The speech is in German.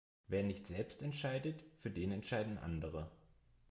Wer nicht selbst entscheidet, für den entscheiden andere.